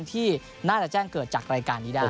ที่น่าจะแจ้งเกิดจากรายการนี้ได้